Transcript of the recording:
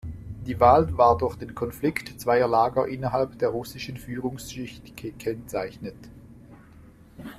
Die Wahl war durch den Konflikt zweier Lager innerhalb der russischen Führungsschicht gekennzeichnet.